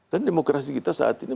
dan demokrasi kita saat ini